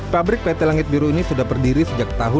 pabrik pt langit biru ini sudah berdiri sejak tahun dua ribu